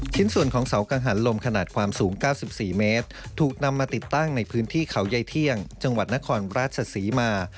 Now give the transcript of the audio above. ชิ้นส่วนของเสากังหันลมขนาดความสูง๙๔เมตรถูกนำมาติดตั้งในพื้นที่เขาใยเที่ยงจังหวัดนครราชศรีมา